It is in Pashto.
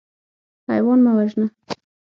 حیوان مه وژنه.